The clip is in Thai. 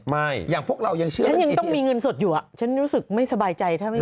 ไม่ฉันยังต้องมีเงินสดอยู่ฉันรู้สึกไม่สบายใจถ้าไม่มี